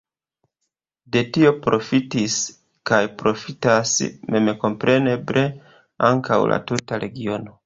De tio profitis kaj profitas memkompreneble ankaŭ la tuta regiono.